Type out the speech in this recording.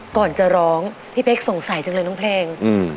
ก่อนจะร้องพี่เป๊กสงสัยจังเลยน้องเพลงอืม